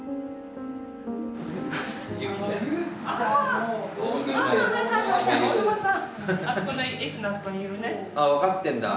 あっ分かってんだ。